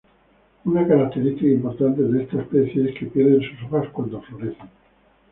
Una característica importante de esta especie, es que pierden sus hojas cuando florecen.